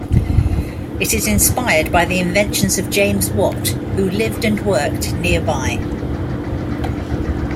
It is inspired by the inventions of James Watt, who lived and worked nearby.